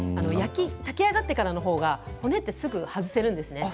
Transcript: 炊き上がってからの方が骨がすぐに外せるんです。